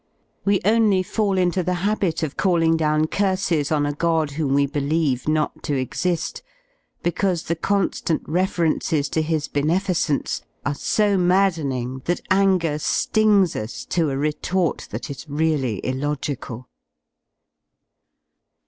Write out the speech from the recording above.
We only fall into the habit of calling down curses on a god whom we believe not to exi^, because the con^ant I references to his beneficence are so maddening that anger ^ings us to a retort that is really illogical.